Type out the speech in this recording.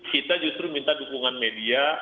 kita justru minta dukungan media